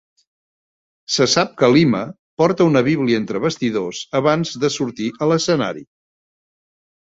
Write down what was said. Se sap que Lima porta una Bíblia entre bastidors abans de sortir a l'escenari.